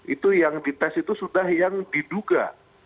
itu yang dites itu sudah yang diduga